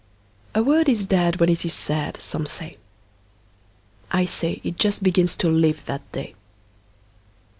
A word is dead When it is said, Some say. I say it just Begins to live That day.